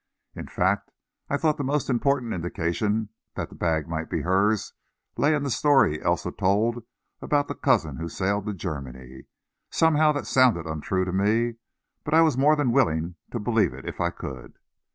In fact, I thought the most important indication that the bag might be hers lay in the story Elsa told about the cousin who sailed to Germany. Somehow that sounded untrue to me, but I was more than willing to believe it if I could.